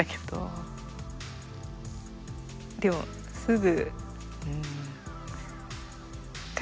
でもすぐ。